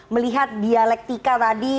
melihat dialektika tadi